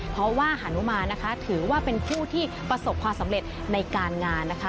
เพราะว่าหานุมานนะคะถือว่าเป็นผู้ที่ประสบความสำเร็จในการงานนะคะ